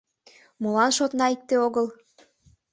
Молан шотна икте огыл?